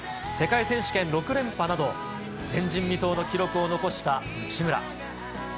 世界選手権６連覇など、前人未到の記録を残した内村。